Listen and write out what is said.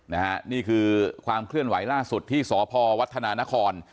นี่คือความเคลื่อนไหวล่าสุดที่สพวัฒนานคร